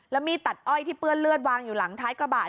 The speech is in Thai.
แล้วมีดตัดอ้อยที่เปื้อนเลือดวางอยู่หลังท้ายกระบะ